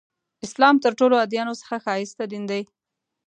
اسلام تر ټولو ادیانو څخه ښایسته دین دی.